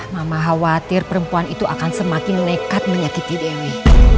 mama khawatir perempuan itu akan semakin nekat menyakiti dewi